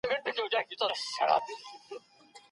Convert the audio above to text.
خپله سرمايه په حلالو کارونو کي مصرف کړئ.